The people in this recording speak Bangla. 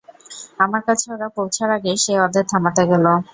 আমার কাছে ওরা পৌঁছার আগেই সে ওদের থামাতে গেল।